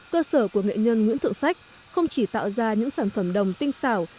cơ sở của nghệ nhân nguyễn thượng sách không chỉ tạo ra những sản phẩm đồng tinh xảo